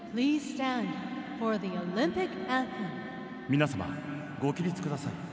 皆様、ご起立ください。